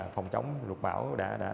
phòng chống lụt bão đã